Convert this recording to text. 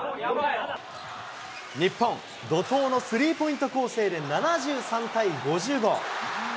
日本、怒とうのスリーポイント攻勢で７３対５５。